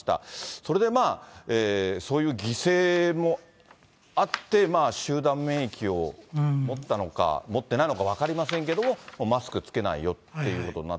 それでそういう犠牲もあって、集団免疫を持ったのか、持ってないのか分かりませんけれども、マスク着けないよということになった。